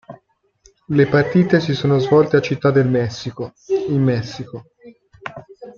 Le partite si sono svolte a Città del Messico, in Messico.